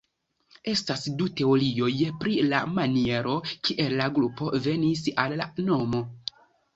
Estas du teorioj pri la maniero, kiel la grupo venis al la nomo.